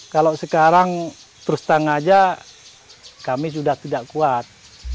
kalau sekarang terus terang aja kami sudah tidak kuat